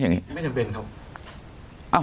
ไม่จำเป็นครับ